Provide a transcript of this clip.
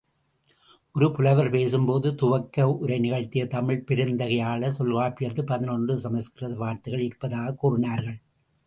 ஒரு புலவர் பேசும்போது, துவக்க உரை நிகழ்த்திய தமிழ்ப் பெருந்தகையாளர் தொல்காப்பியத்தில் பதினொன்று சமஸ்கிருத வார்த்தைகள் இருப்பதாகக் கூறினார்கள்.